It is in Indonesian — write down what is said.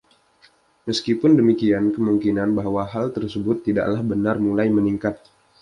Meskipun demikian, kemungkinan bahwa hal tersebut tidaklah benar mulai meningkat.